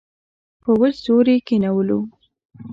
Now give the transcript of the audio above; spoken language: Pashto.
په وچ زور یې کښېنولو.